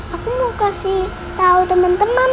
aku mau kasih tau teman teman